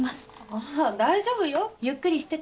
ああ大丈夫よ。ゆっくりしてて。